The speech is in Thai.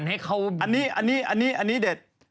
อันนี้เบ